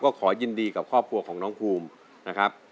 ก็ขอยินดีกับครอบครัวของน้องภูมินะครับ